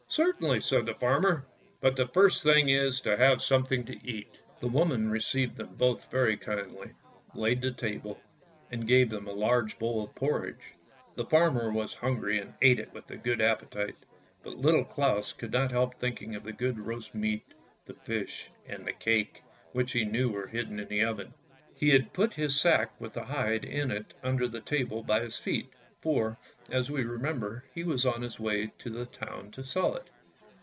" Certainly," said the farmer; " but the first thing is to have something to eat." The woman received them both very kindly, laid the table, and gave them a large bowl of porridge. The farmer was hungry and ate it with a good appetite; but Little Claus could not help thinking of the good roast meat, the fish, and the cake, which he knew were hidden in the oven. He had put his sack with the hide in it under the table by 148 ANDERSEN'S FAIRY TALES his feet, for, as we remember, he was on his way to the town to sell it.